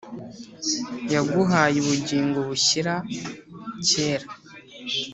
yaguhaye ubugingo bushyira kera,